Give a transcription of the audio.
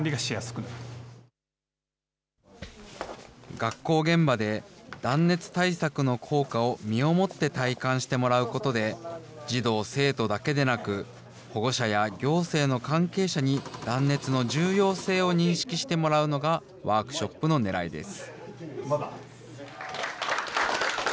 学校現場で断熱対策の効果を身をもって体感してもらうことで、児童・生徒だけでなく、保護者や行政の関係者に断熱の重要性を認識してもらうのがワークショップのねらいです。